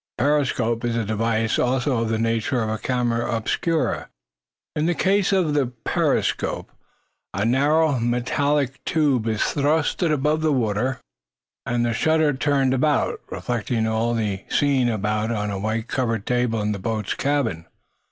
The "periscope" is a device also of the nature of a camera obscura. In the case of the periscope a narrow metallic tube is thrust above the water and the shutter turned about, reflecting all the scene about on a white covered table in the boat's cabin.